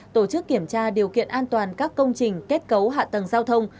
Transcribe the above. tổ chức kiểm tra điều kiện an toàn các công trình kết cấu hạ tầng giao thông